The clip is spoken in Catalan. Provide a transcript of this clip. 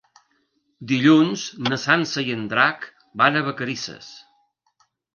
Dilluns na Sança i en Drac van a Vacarisses.